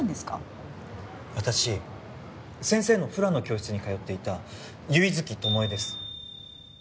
私先生のフラの教室に通っていた唯月巴です。